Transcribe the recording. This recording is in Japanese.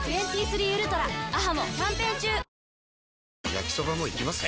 焼きソバもいきます？